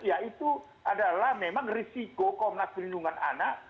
ya itu adalah memang risiko komnak perlindungan anak